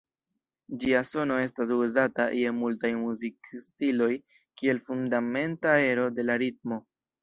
Ĝia sono estas uzata je multaj muzikstiloj kiel fundamenta ero de la ritmo.